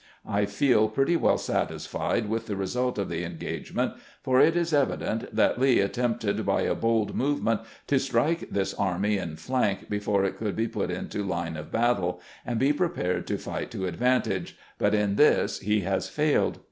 I feel pretty well satisfied with the result of the engagement ; for it is evident that Lee attempted by a bold movement to strike this army in flank before it could be put into 54 CAMPAIGNING "WITH GKANT line of battle and be prepared to fight to advantage ; but in this he has failed."